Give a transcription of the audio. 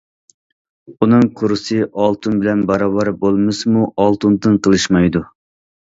ئۇنىڭ كۇرسى ئالتۇن بىلەن باراۋەر بولمىسىمۇ ئالتۇندىن قېلىشمايدۇ.